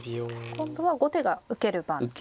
今度は後手が受ける番ですね。